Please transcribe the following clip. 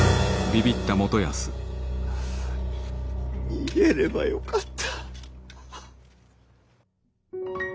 逃げればよかった。